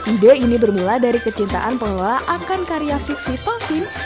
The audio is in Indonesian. ide ini bermula dari kecintaan pengelola akan karya fiksi totin